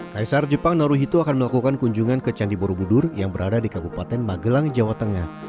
kaisar jepang naruhito akan melakukan kunjungan ke candi borobudur yang berada di kabupaten magelang jawa tengah